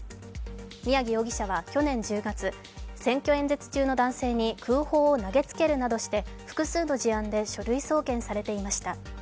宮城容疑者は去年１０月、選挙演説中の男性に空包を投げつけるなどして複数の事案で書類送検されていました。